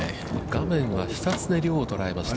画面は久常涼を捉えました。